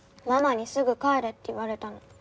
ママにすぐ帰れって言われたの。